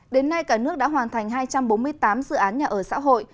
đến nay cả nước đã hoàn thành hai trăm bốn mươi tám dự án nhà ở xã hội